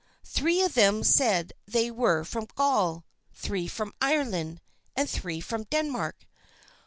Three of them said they were from Gaul, three from Ireland, and three from Denmark.